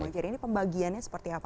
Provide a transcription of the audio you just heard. jadi ini pembagiannya seperti apa